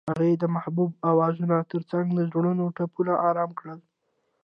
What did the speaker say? هغې د محبوب اوازونو ترڅنګ د زړونو ټپونه آرام کړل.